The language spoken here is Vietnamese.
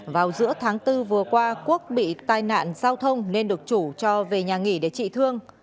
vào giữa tháng bốn vừa qua quốc bị tai nạn giao thông nên được chủ cho về nhà nghỉ để trị thương